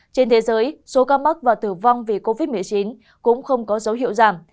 trên thế giới số ca mắc và tử vong vì covid một mươi chín cũng không có dấu hiệu giảm